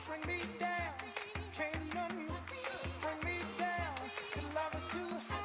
amin terima kasih usy